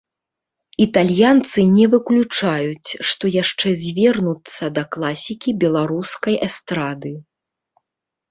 Італьянцы не выключаюць, што яшчэ звернуцца да класікі беларускай эстрады.